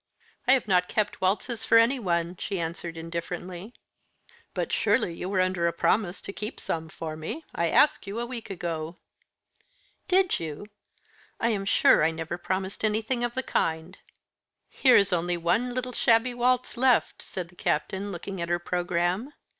"I have not kept waltzes for anyone," she answered indifferently. "But surely you were under a promise to keep some for me? I asked you a week ago." "Did you? I am sure I never promised anything of the kind." "Here is only one little shabby waltz left," said the Captain, looking at her programme.